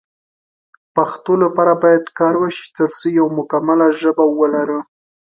پښتو لپاره باید کار وشی ترڅو یو مکمله ژبه ولرو